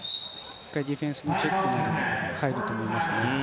ディフェンスのチェックが入ると思います。